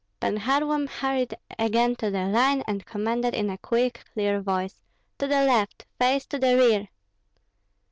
Pan Kharlamp hurried again to the line, and commanded in a quick, clear voice: "To the left! face to the rear!"